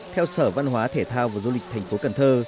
theo sở văn hóa thể thao và du lịch thành phố cần thơ